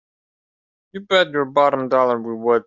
You bet your bottom dollar we would!